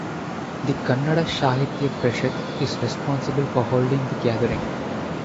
The Kannada Sahitya Parishat is responsible for holding the gathering.